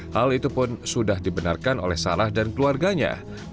hal itu pun sudah dibenarkan oleh sarah dan keluarganya